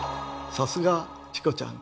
さすがチコちゃん。